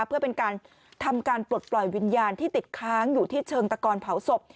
เพื่อเป็นการทำการปลดปล่อยวิญญาณที่ติดค้างอยู่ที่เชิงตะกอนเผาศพ